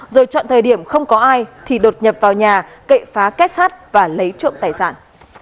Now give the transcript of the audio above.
rồi chọn thời điểm không có ai thì đột nhập vào nhà cậy phá kết sát và lấy trộm tài sản